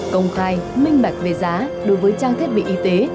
công khai minh bạch về giá đối với trang thiết bị y tế